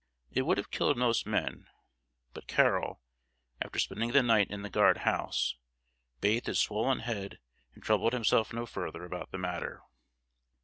It would have killed most men; but Carroll, after spending the night in the guard house, bathed his swollen head and troubled himself no further about the matter.